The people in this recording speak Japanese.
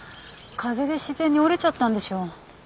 風で自然に折れちゃったんでしょう。